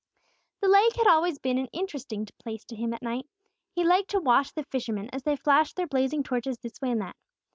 The lake had always been an interesting place to him at night. He liked to watch the fishermen as they flashed their blazing torches this way and that.